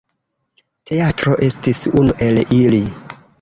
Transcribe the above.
Teatro estis unu el ili.